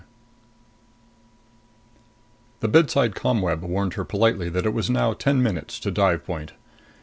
11 The bedside ComWeb warned her politely that it was now ten minutes to dive point.